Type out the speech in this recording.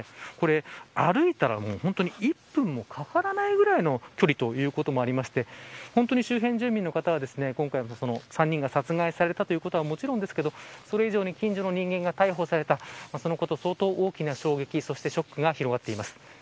歩いたら本当に１分もかからないくらいの距離ということもありまして周辺住民の方は今回３人が殺害されたということも、もちろんですけどそれ以上に近所の人間が逮捕されたそのこと、相当に大きな衝撃やショックが広がっています。